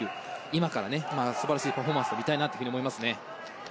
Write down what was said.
今から素晴らしいパフォーマンスを見たいなと思いますね。